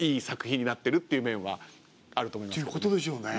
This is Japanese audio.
いうことでしょうね。